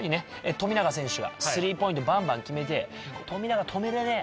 富永選手がスリーポイントをバンバン決めて富永止めれねえ！